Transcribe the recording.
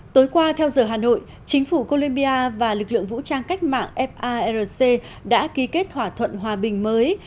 tối qua theo giờ hà nội chính phủ colombia và lực lượng vũ trang cách mạng farc đã ký kết thỏa thuận hòa bình mới